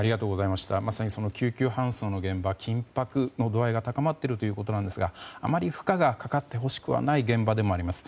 まさに救急搬送の現場緊迫の度合いが高まっているということですがあまり負荷がかかってほしくはない現場でもあります。